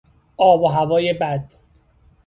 آب و هوای بد